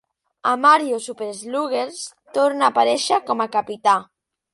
A "Mario Super Sluggers" torna a aparèixer com a capità.